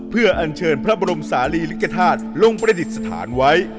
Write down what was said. เพื่ออัญเชิญพระบรมศาลีลิกธาตุลงประดิษฐานไว้